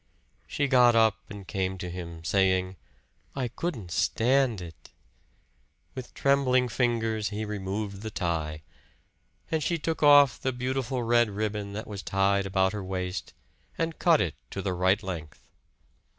She got up and came to him, saying, "I couldn't stand it." With trembling fingers he removed the tie. And she took off the beautiful red ribbon that was tied about her waist, and cut it to the right length.